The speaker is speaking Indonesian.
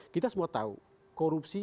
kita semua tahu korupsi